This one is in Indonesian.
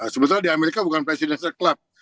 sebetulnya di amerika bukan presiden club